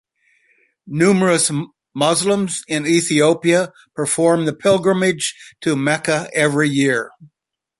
Numerous Muslims in Ethiopia perform the pilgrimage to Mecca every year.